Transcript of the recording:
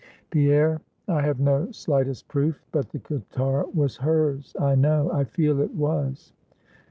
"Pierre I have no slightest proof but the guitar was hers, I know, I feel it was.